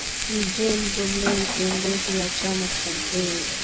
ni john gomley kiongozi wa chama cha green